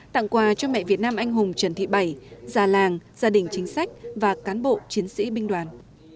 tặng quà cho mẹ việt nam anh hùng trần thị bảy già làng gia đình chính sách và cán bộ chiến sĩ binh đoàn